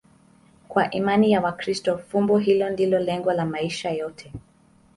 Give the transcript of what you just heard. Kwa imani ya Wakristo, fumbo hilo ndilo lengo la maisha yote.